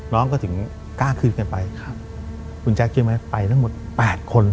น้องก็ถึงกล้าคืนกันไปครับคุณแจ๊คเชื่อไหมไปทั้งหมด๘คน